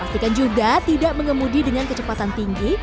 pastikan juga tidak mengemudi dengan kecepatan tinggi